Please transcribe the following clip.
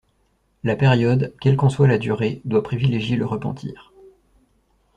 La période, quelle qu’en soit la durée, doit privilégier le repentir.